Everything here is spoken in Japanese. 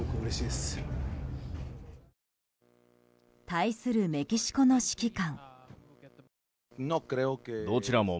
対するメキシコの指揮官。